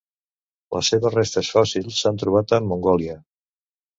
Les seves restes fòssils s'han trobat a Mongòlia.